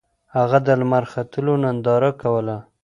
هغه د لمر ختلو ننداره کوله.